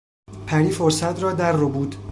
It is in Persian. پری فرصت را در ربود.